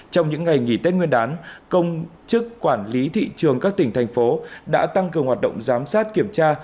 trong những ngày nghỉ tết nguyên đán công chức quản lý thị trường các tỉnh thành phố đã tăng cường hoạt động giám sát kiểm tra